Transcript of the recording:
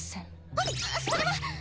あっそれは！